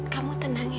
kamu tenang ya